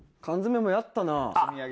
缶詰もやったなぁ。